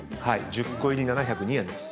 １０個入り７０２円です。